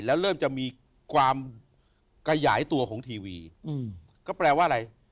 แล้วเริ่มจะมีความขยายตัวของทีวีก็แปลว่าอะไร